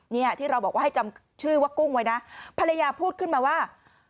เนี่ยที่เราบอกว่าให้จำชื่อว่ากุ้งไว้นะภรรยาพูดขึ้นมาว่า